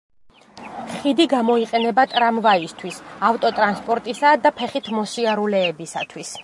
ხიდი გამოიყენება ტრამვაისთვის, ავტოტრანსპორტისა და ფეხით მოსიარულეებისათვის.